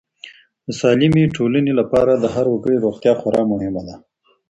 د سالمې ټولنې لپاره د هر وګړي روغتیا خورا مهمه ده.